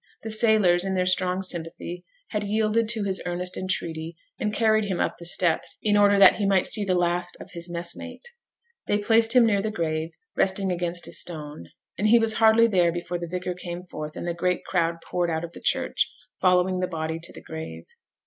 The sailors, in their strong sympathy, had yielded to his earnest entreaty, and carried him up the steps, in order that he might see the last of his messmate. They placed him near the grave, resting against a stone; and he was hardly there before the vicar came forth, and the great crowd poured out of the church, following the body to the grave.